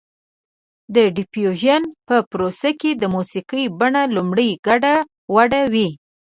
د ډیفیوژن په پروسه کې د موسیقۍ بڼه لومړی ګډه وډه وي